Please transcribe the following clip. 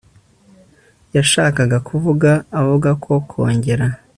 yashakaga kuvuga avuga ko kongera